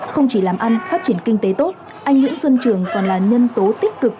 không chỉ làm ăn phát triển kinh tế tốt anh nguyễn xuân trường còn là nhân tố tích cực